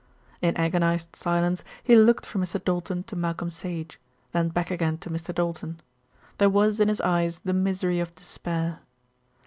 In agonised silence he looked from Mr. Doulton to Malcolm Sage, then back again to Mr. Doulton. There was in his eyes the misery of despair.